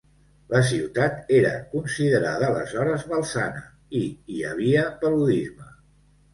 La ciutat era considerada aleshores malsana i hi havia paludisme.